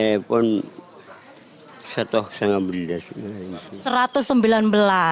ini pun satu ratus sembilan belas